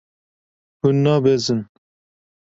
Hûn nabezin.